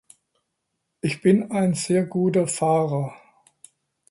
Ich bin ein sehr guter Fahrer.